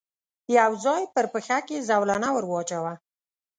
يو ځای پر پښه کې زولنه ور واچاوه.